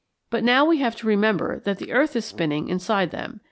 But now we have to remember that the earth is spinning inside them.